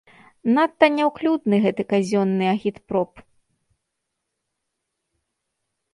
Надта няўклюдны гэты казённы агітпроп.